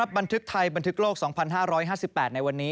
บันทึกไทยบันทึกโลก๒๕๕๘ในวันนี้